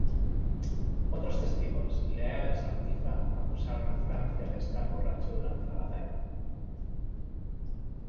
Otros testigos, leales a Urquiza, acusaron a Francia de estar borracho durante la batalla.